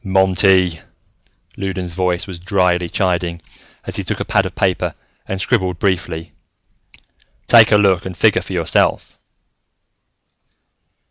"Monty!" Loudons voice was drily chiding as he took a pad of paper and scribbled briefly. "Take a look and figure for yourself."